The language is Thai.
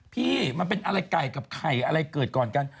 พี่มันเป็นอะไรไก่กับไข่อะไรเกิดก่อนกัน